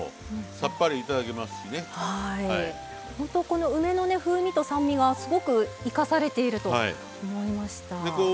この梅の風味と酸味がすごく生かされていると思いました。